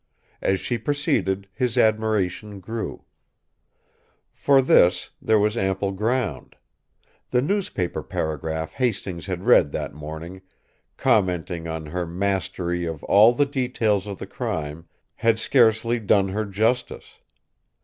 As she proceeded, his admiration grew. For this, there was ample ground. The newspaper paragraph Hastings had read that morning commenting on her mastery of all the details of the crime had scarcely done her justice.